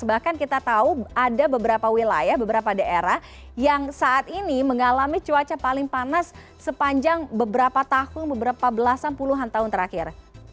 bahkan kita tahu ada beberapa wilayah beberapa daerah yang saat ini mengalami cuaca paling panas sepanjang beberapa tahun beberapa belasan puluhan tahun terakhir